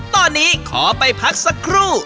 ตอนนี้ขอไปพักสักครู่